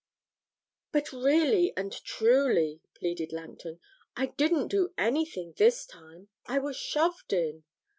'But really and truly,' pleaded Langton, 'I didn't do anything this time. I was shoved in.'